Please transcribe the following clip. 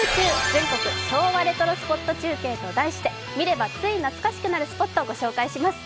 全国昭和レトロスポット中継」と題して見ればつい懐かしくなるスポットをご紹介します。